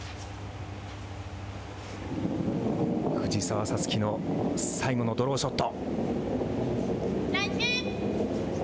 藤澤五月の最後のドローショット。